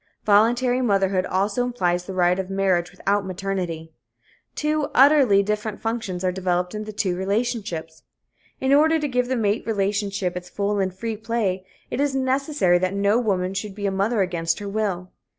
Voluntary motherhood also implies the right of marriage without maternity. Two utterly different functions are developed in the two relationships. In order to give the mate relationship its full and free play, it is necessary that no woman should be a mother against her will.